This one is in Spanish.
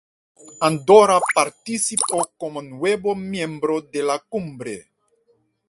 Andorra participó como nuevo miembro de la cumbre.